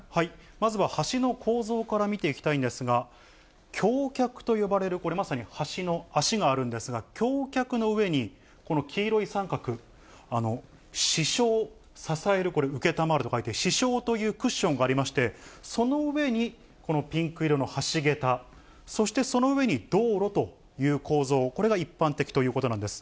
まずは橋の構造から見ていきたいんですが、橋脚と呼ばれる、これ、まさに橋の脚があるんですが、橋脚の上に、この黄色い三角、支承、支える、これ、承ると書いて支承というクッションがありまして、その上に、このピンク色の橋桁、そしてその上に道路という構造、これが一般的ということなんです。